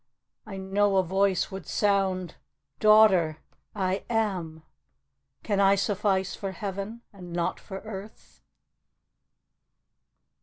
I know a Voice would sound, " Daughter, I AM. Can I suffice for Heaven, and not for earth